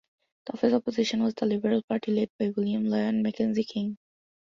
The Official Opposition was the Liberal Party, led by William Lyon Mackenzie King.